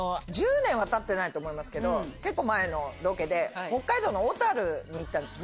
１０年はたってないと思いますけど、結構前のロケで、北海道の小樽に行ったんです。